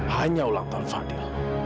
hanya ulang tahun fadil